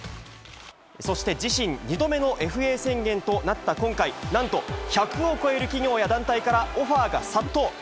そして自身２度目のＦＡ宣言となった今回、なんと１００を超える企業や団体からオファーが殺到。